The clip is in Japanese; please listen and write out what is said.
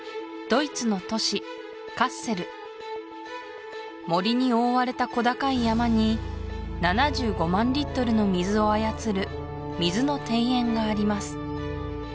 ドイツの都市カッセル森に覆われた小高い山に７５万リットルの水を操る水の庭園があります